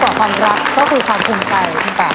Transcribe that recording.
ก็คือความคุมใจ